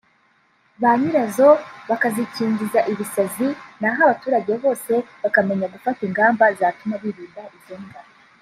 ba nyirazo bakazikingiza ibisazi naho abaturage bose bakamenya gufata ingamba zatuma birinda izo mbwa